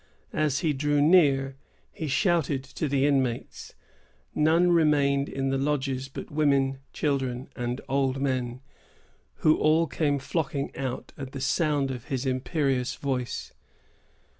As he drew near, he shouted to the inmates. None remained in the lodges but women, children, and old men, who all came flocking out at the sound of his imperious voice.